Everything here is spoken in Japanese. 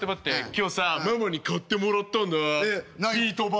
今日さママに買ってもらったんだビート板。